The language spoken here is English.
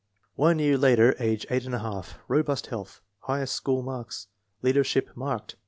One year later, age 8|. Robust health. Highest school marks. Leadership marked.